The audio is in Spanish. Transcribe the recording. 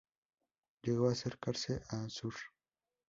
Llegó a acercarse a Aššur.